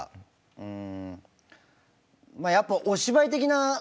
うん。